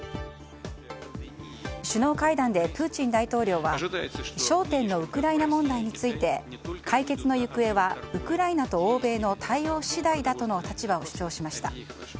首脳会談でプーチン大統領は焦点のウクライナ問題について解決の行方はウクライナと欧米の対応次第だとの立場を主張しました。